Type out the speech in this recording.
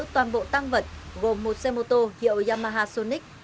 toàn bộ tăng vật gồm một xe mô tô hiệu yamaha sonic